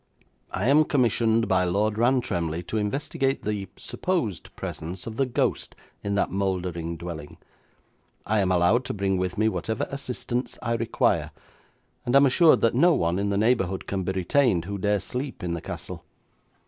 I am commissioned by Lord Rantremly to investigate the supposed presence of the ghost in that mouldering dwelling. I am allowed to bring with me whatever assistants I require, and am assured that no one in the neighbourhood can be retained who dare sleep in the castle.